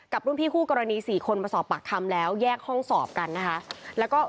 รุ่นพี่คู่กรณี๔คนมาสอบปากคำแล้วแยกห้องสอบกันนะคะ